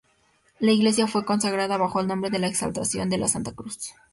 La iglesia fue consagrada bajo el nombre de la Exaltación de la Santa Cruz.